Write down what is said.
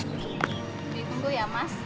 ditinggul ya mas